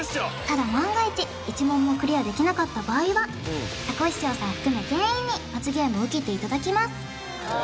ただ万が一１問もクリアできなかった場合はザコシショウさん含め全員に罰ゲームを受けていただきます